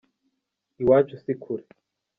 iwacu si kure.